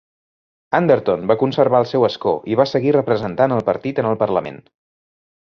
Anderton va conservar el seu escó i va seguir representant al partit en el Parlament.